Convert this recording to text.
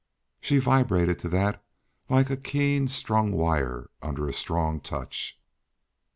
She vibrated to that like a keen strung wire under a strong touch.